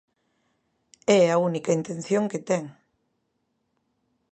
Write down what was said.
É a única intención que ten.